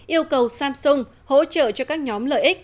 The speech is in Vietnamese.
yêu cầu samsung hỗ trợ cho các nhóm lợi ích